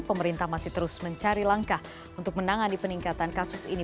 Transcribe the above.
pemerintah masih terus mencari langkah untuk menangani peningkatan kasus ini